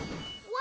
わ！